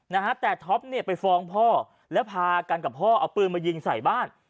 นะฮะแต่ท็อปเนี่ยไปฟ้องพ่อแล้วพากันกับพ่อเอาปืนมายิงใส่บ้าน